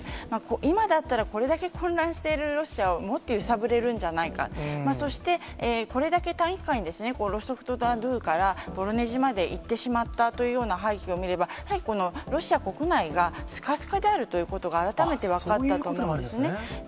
今だったら、これだけ混乱しているロシアをもっと揺さぶれるんじゃないか、そして、これだけ短期間にロストフナドヌーからボロネジまで行ってしまったというような背景を見れば、やはりロシア国内がすかすかであるということが改めて分かったとそういうこともあるんですね。